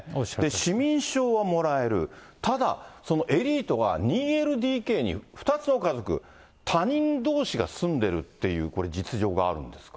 市民証はもらえる、ただ、エリートが２ＬＤＫに２つの家族、他人どうしが住んでるっていう、これ、実情があるんですか。